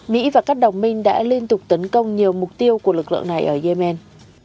mỹ và các đồng minh đã liên tục tấn công nhiều mục tiêu của lực lượng này ở yemen